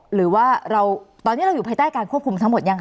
หรือว่าตอนนี้เราอยู่ภายใต้การควบคุมทั้งหมดยังค